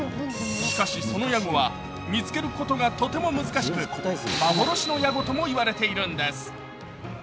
しかし、そのヤゴは見つけることがとても難しく、幻のヤゴともいわれているんです。